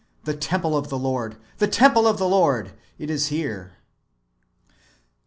The temple of the Lord, The temple of the Lord, it is [here]."